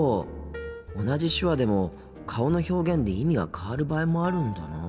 同じ手話でも顔の表現で意味が変わる場合もあるんだなあ。